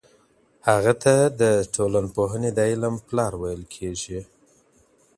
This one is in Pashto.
هغه ته د ټولنپوهنې د علم پلار ویل کیږي.